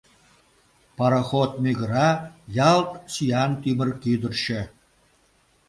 Пароход мӱгыра, ялт сӱан тӱмыр кӱдырчӧ.